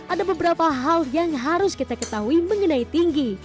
ada beberapa hal yang harus kita ketahui mengenai tinggi